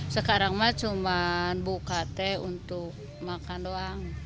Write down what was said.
sekarang cuma buka untuk makan saja